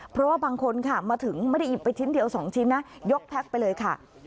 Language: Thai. เพราะว่าบางคนค่ะมาถึงไม่ได้หยิบไปชิ้นเดียว๒ชิ้นนะยกแพ็คไปเลยค่ะ